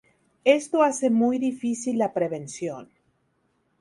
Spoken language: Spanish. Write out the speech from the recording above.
Esto hace muy difícil la prevención.